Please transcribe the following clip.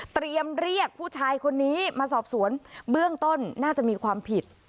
เรียกผู้ชายคนนี้มาสอบสวนเบื้องต้นน่าจะมีความผิด